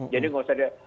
jadi tidak usah